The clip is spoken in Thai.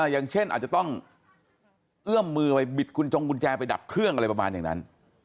อย่างเช่นอาจจะต้องเอื้อมมือไปบิดคุณจงกุญแจไปดับเครื่องอะไรประมาณอย่างนั้น